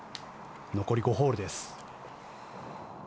残り５ホールです。